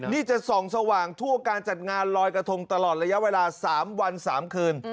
นี่จะส่องสว่างทั่วการจัดงานลอยกระทงตลอดระยะเวลา๓วัน๓คืน